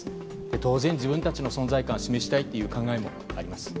当然、自分たちの存在感を示したいという考えもあります。